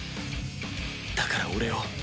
だから俺を。